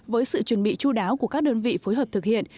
với sự chuẩn bị chú đáo của các đơn vị phối hợp thực hiện